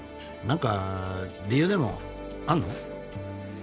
何か理由でもあんの？